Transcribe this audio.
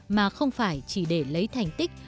mà không phải chỉ để lấy thành tích